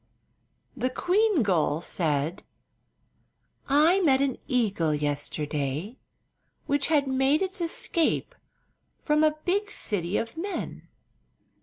The queen gull said: "I met an eagle yesterday, which had made its escape from a big city of men.